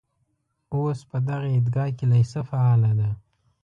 اوس په دغه عیدګاه کې لېسه فعاله ده.